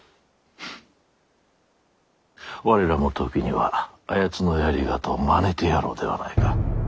我らも時にはあやつのやり方をまねてやろうではないか。